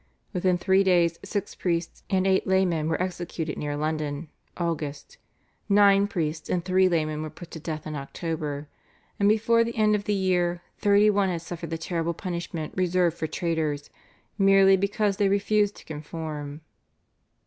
Within three days six priests and eight laymen were executed near London (August); nine priests and three laymen were put to death in October, and before the end of the year thirty one had suffered the terrible punishment reserved for traitors, merely because they refused to conform.